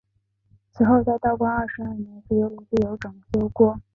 此后在道光二十二年时又陆续有整修过。